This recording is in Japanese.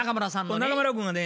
中村君はね